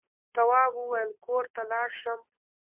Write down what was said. تواب وويل: کور ته لاړ شم.